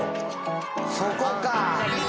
そこか！